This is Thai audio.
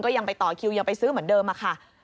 ยังไปซื้อเหมือนเดิมอะค่ะ